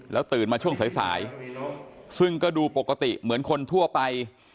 ตื่นมาช่วงสายซึ่งก็ดูปกติเหมือนคนทั่วไป